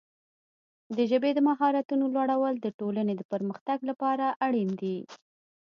د ژبې د مهارتونو لوړول د ټولنې د پرمختګ لپاره اړین دي.